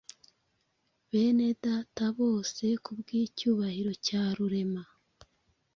Bene data bose kubwicyubahiro cya Rurema